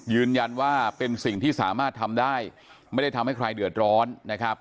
ยืนยันว่าเป็นสิ่งที่สามารถทำได้ไม่ได้ทำให้ใครเดือดร้อนนะครับ